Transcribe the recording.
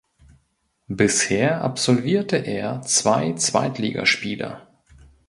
Bisher absolvierte er zwei Zweitligaspiele.